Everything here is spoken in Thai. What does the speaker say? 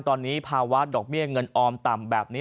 ตอนนี้ภาวะดอกเบี้ยเงินออมต่ำแบบนี้